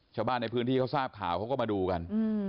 ชาวบ้านในพื้นที่เขาทราบข่าวเขาก็มาดูกัน